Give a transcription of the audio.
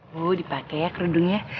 bu dipake ya kerudungnya